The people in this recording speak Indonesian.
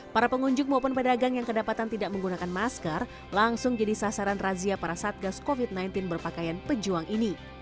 para pengunjung maupun pedagang yang kedapatan tidak menggunakan masker langsung jadi sasaran razia para satgas covid sembilan belas berpakaian pejuang ini